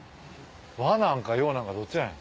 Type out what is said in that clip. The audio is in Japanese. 和なんか洋なんかどっちやねん。